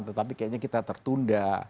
tetapi kayaknya kita tertunda